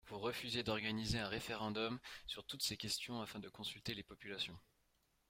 Vous refusez d’organiser un référendum sur toutes ces questions afin de consulter les populations.